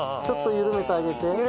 ちょっと緩めてあげて。